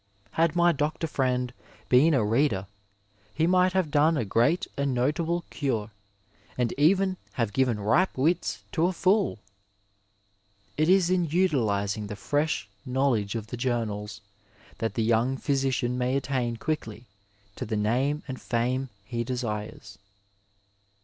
Had my doctor friend been a reader he might have done a great and notable cure and even have given ripe wits to a fool ! It is in utilizing the fresh know ledge of the journals that the young phjrsician may attain quickly to the name and fame he desires.